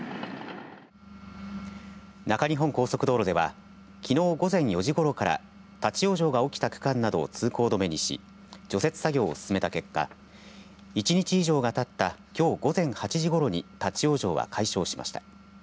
中日本高速道路ではきのう午前４時ごろから立往生が起きた区間などを通行止めにし除雪作業を進めた結果１日以上がたったきょう午前８時ごろに立往生は解消しました。